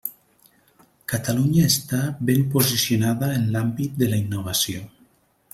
Catalunya està ben posicionada en l'àmbit de la innovació.